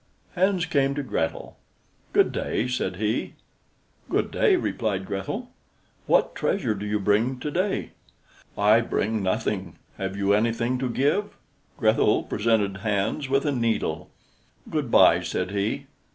Hans came to Grethel. "Good day," said he. "Good day," replied Grethel, "what treasure do you bring to day?" "I bring nothing. Have you anything to give?" Grethel presented Hans with a needle. "Good by," said he.